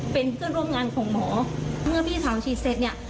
เป็นเพื่อนร่วมงานของหมอเมื่อพี่เผาฉีดเสร็จเนี่ย